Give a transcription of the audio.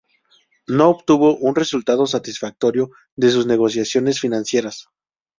No obtuvo un resultado satisfactorio de sus negociaciones financieras.